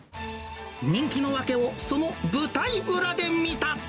人気の訳を、その舞台裏で見た。